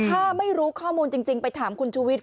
ถ้าไม่รู้ข้อมูลจริงไปถามคุณชูวิทย